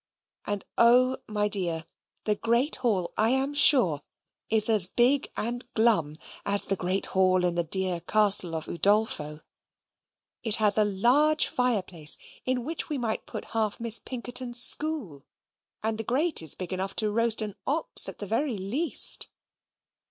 And oh, my dear, the great hall I am sure is as big and as glum as the great hall in the dear castle of Udolpho. It has a large fireplace, in which we might put half Miss Pinkerton's school, and the grate is big enough to roast an ox at the very least.